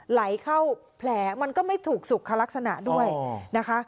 ไหลเข้าแผลมันก็ไม่ถูกสุขลักษณะด้วยนะคะ